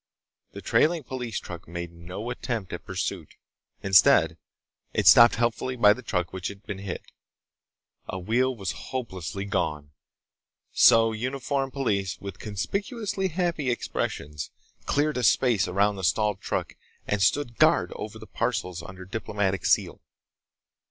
The trailing police truck made no attempt at pursuit. Instead, it stopped helpfully by the truck which had been hit. A wheel was hopelessly gone. So uniformed police, with conspicuously happy expressions, cleared a space around the stalled truck and stood guard over the parcels under diplomatic seal.